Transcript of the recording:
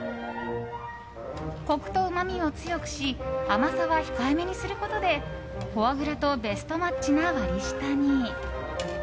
コクとうまみを強くし甘さは控えめにすることでフォアグラとベストマッチな割り下に。